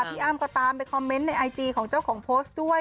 พี่อ้ำก็ตามไปคอมเมนต์ในไอจีของเจ้าของโพสต์ด้วย